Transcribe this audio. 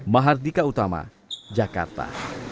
mahardika utama jakarta